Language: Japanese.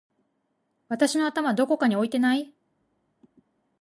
私の頭どこかに置いてない？！